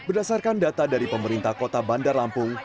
berdasarkan data dari pemerintah kota bandar lampung